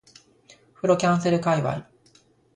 風呂キャンセル界隈